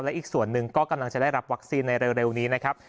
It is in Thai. และอีกส่วนหนึ่งก็กำลังจะได้รับวัคซีนในเร็วนี้นะครับ